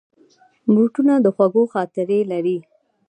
بوټونه د خوږو خاطرې لري.